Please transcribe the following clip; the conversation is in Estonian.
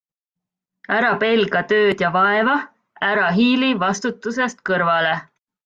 Ära pelga tööd ja vaeva, ära hiili vastutusest kõrvale.